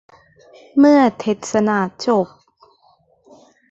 เมื่อเทศนาจบ